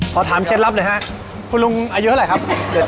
ขอถามเคล็ดลับหน่อยฮะคุณลุงอายุเท่าไหร่ครับ